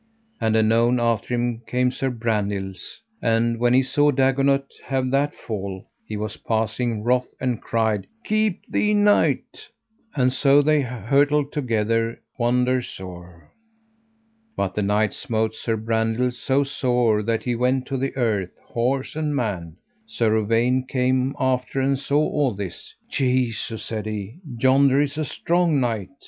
And anon after him came Sir Brandiles, and when he saw Dagonet have that fall he was passing wroth, and cried: Keep thee, knight, and so they hurtled together wonder sore. But the knight smote Sir Brandiles so sore that he went to the earth, horse and man. Sir Uwaine came after and saw all this. Jesu, said he, yonder is a strong knight.